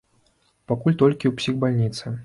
Пакуль толькі у псіхбальніцы.